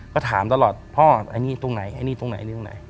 ก็ถามตลอดพ่อไอ้นี่ตรงไหนไอ้นี่ตรงไหนหรือตรงไหน